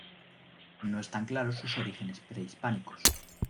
No están claros sus orígenes prehispánicos.